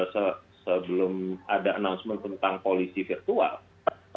sebelum ada announcement tentang polisi virtual